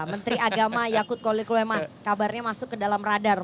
menteri agama yakut kolikulemas kabarnya masuk ke dalam radar